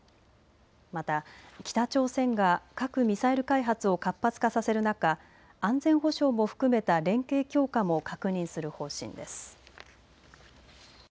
また、北朝鮮が核・ミサイル開発を活発化させる中、安全保障も含めた連携強化も確認する方針です。